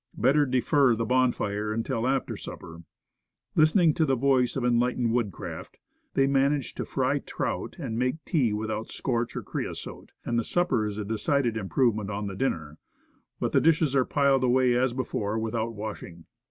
Better defer the bonfire until after supper. Listening to the voice of en lightened woodcraft, they manage to fry trout and make tea without scorch or creosote, and the supper is a decided improvement on the dinner. But the dishes are piled away as before, without wash ing.